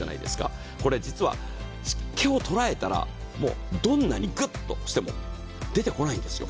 これ、実は湿気を捉えたらもうどんなにグッとしても出てこないんですよ。